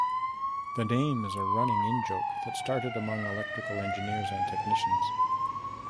The name is a running in-joke that started among electrical engineers and technicians.